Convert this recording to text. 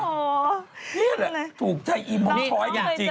นี่แหละถูกใจอีมองชอยอย่างจริง